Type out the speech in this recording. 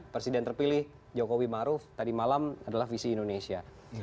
presiden terpilih jokowi maruf tadi malam adalah visi indonesia